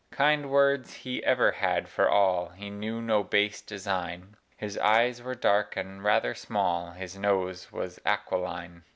Kind words he ever had for all; He knew no base design: His eyes were dark and rather small, His nose was aquiline.